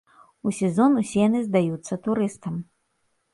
У сезон усе яны здаюцца турыстам.